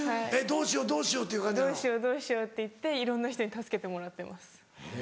「どうしようどうしよう」って言っていろんな人に助けてもらってます。